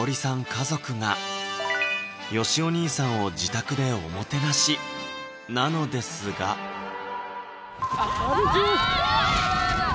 家族がよしお兄さんを自宅でおもてなしなのですがあヤバい！